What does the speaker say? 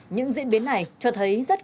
những diễn biến này cho thấy rất cần